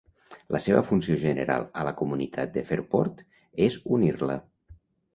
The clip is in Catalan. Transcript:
La seva funció general a la comunitat de Fairport és unir-la.